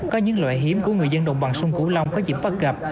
có những loại hiếm của người dân đồng bằng sông cửu long có dịp bắt gặp